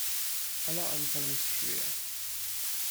Aller Anfang ist schwer.